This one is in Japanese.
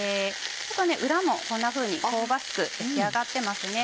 裏もこんなふうに香ばしく焼き上がってますね。